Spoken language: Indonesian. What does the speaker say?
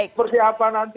seperti apa nanti